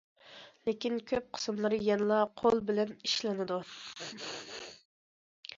لېكىن كۆپ قىسىملىرى يەنىلا قول بىلەن ئىشلىنىدۇ.